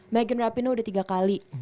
megan rapinoe udah tiga kali